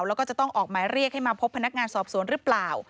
แล้วก็จะต้องออกหมายเรียกให้มาพบพนักงานสอบสวนหรือเปล่า